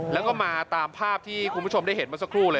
แล้วก็มาตามภาพที่คุณผู้ชมได้เห็นเมื่อสักครู่เลย